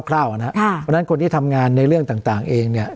เพราะฉะนั้นคนที่ทำงานในเรื่องต่างเองเนี่ย